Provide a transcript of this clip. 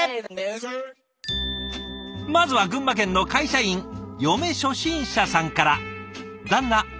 まずは群馬県の会社員嫁初心者さんから。